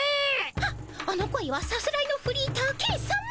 はっあの声はさすらいのフリーターケンさま。